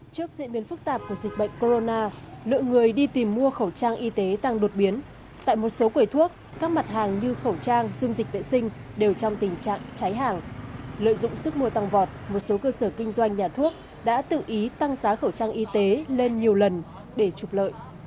trước diễn biến phức tạp của dịch bệnh corona lượng người đi tìm mua khẩu trang y tế tăng đột biến tại một số quầy thuốc các mặt hàng như khẩu trang dung dịch vệ sinh đều trong tình trạng cháy hàng lợi dụng sức mua tăng vọt một số cơ sở kinh doanh nhà thuốc đã tự ý tăng giá khẩu trang y tế lên nhiều lần để trục lợi